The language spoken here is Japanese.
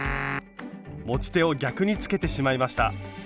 持ち手を逆につけてしまいました。